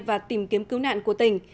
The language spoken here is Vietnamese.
và tìm kiếm cứu nạn của tỉnh